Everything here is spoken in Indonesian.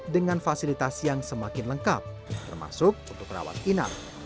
dengan fasilitas yang semakin lengkap termasuk untuk rawat inap